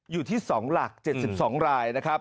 อยู่ที่๒หลัก๗๒รายนะครับ